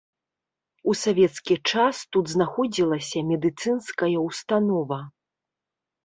У савецкі час тут знаходзілася медыцынская ўстанова.